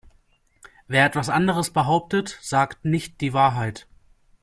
Wer etwas anderes behauptet, sagt nicht die Wahrheit!